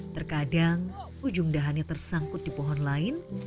terkadang ujung dahannya tersangkut di pohon lain